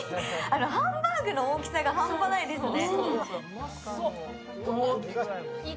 ハンバーグの大きさが半端ないですね。